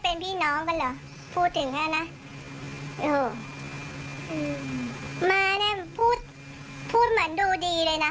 เป็นพี่น้องกันเหรอพูดถึงเนี้ยนะโอ้โหอืมมาเนี้ยพูดพูดเหมือนดูดีเลยนะ